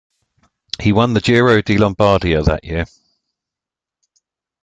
He won the Giro di Lombardia that year.